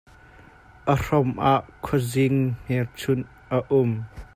A hrom ah khuazing hmelchunh a um.